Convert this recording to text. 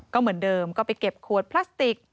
ก็เหมือนเดิมก็ไปเก็บขวดพลาสติก